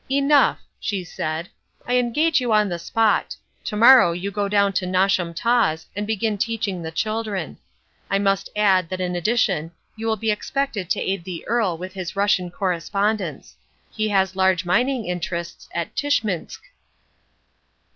"Enough," she said, "I engage you on the spot; to morrow you go down to Nosham Taws and begin teaching the children. I must add that in addition you will be expected to aid the Earl with his Russian correspondence. He has large mining interests at Tschminsk."